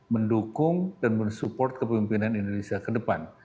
mendukung dan mensupport ke pemimpinan indonesia ke depan